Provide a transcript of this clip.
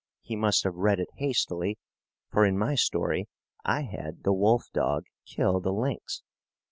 He must have read it hastily, for in my story I had the wolf dog kill the lynx.